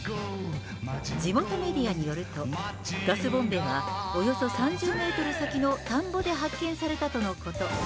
地元メディアによると、ガスボンベはおよそ３０メートル先の田んぼで発見されたとのこと。